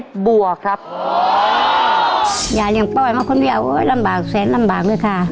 แสงปล่อยมาคนเบี้ยโอ้ยลำบากแสนลำบากเลยค่ะ